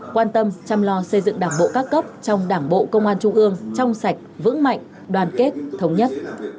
quan tâm chăm lo xây dựng đảng bộ các cấp trong đảng bộ công an trung ương trong sạch vững mạnh đoàn kết thống nhất